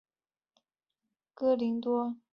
罗马书可能写于哥林多或靠近坚革哩。